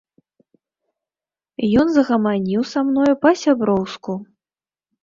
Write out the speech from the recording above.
Ён загаманіў са мною па-сяброўску.